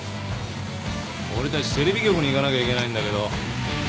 俺たちテレビ局に行かなきゃいけないんだけど。